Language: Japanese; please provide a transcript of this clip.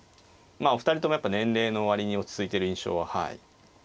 まあお二人ともやっぱ年齢の割に落ち着いてる印象ははい。